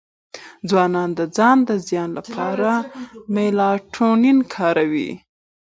ځوانان د ځان د زیان لپاره میلاټونین کاروي.